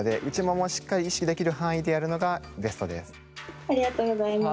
ただありがとうございます。